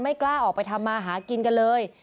กล้าออกไปทำมาหากินกันเลย